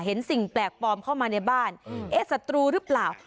สิ่งแปลกปลอมเข้ามาในบ้านเอ๊ะศัตรูหรือเปล่า